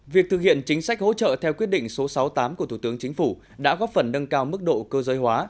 việc thực hiện chính sách hỗ trợ theo quyết định số sáu mươi tám của thủ tướng chính phủ đã góp phần nâng cao mức độ cơ giới hóa